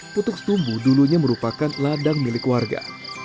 putuk setumbu dulunya merupakan ladang milik warga